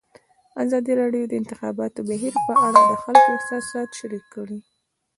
ازادي راډیو د د انتخاباتو بهیر په اړه د خلکو احساسات شریک کړي.